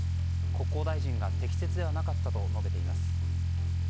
国交大臣が適切ではなかったと述べています。